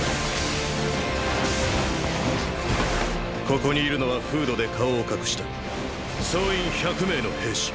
ここにいるのはフードで顔を隠した総員１００名の兵士。